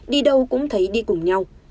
đi đâu cũng thấy đi cùng nhau